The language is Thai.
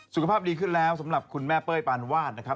สุขภาพดีขึ้นแล้วสำหรับคุณแม่เป้ยปานวาดนะครับ